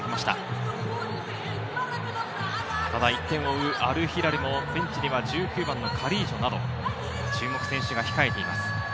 ただ１点を追うアルヒラルもベンチは１９番のカリージョなど注目選手が控えています。